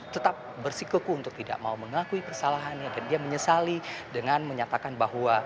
tetap bersikuku untuk tidak mau mengakui persalahannya dan dia menyesali dengan menyatakan bahwa